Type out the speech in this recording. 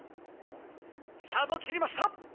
スタートを切りました。